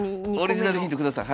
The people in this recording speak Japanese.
オリジナルヒント下さい。